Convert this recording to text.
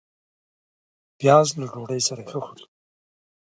پیاز له ډوډۍ سره ښه خوري